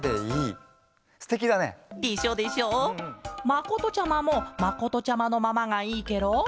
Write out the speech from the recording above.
まことちゃまもまことちゃまのままがいいケロ？